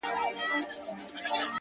• منتظر د ترقی د دې کهسار یو,